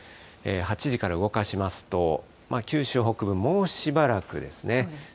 ８時から動かしますと、九州北部、もうしばらくですね。